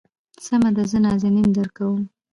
سمه ده زه نازنين درکوم.